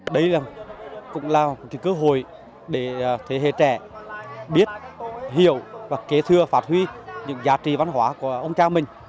đây cũng là một cơ hội để thế hệ trẻ biết hiểu và kế thừa phát huy những giá trị văn hóa của ông cha mình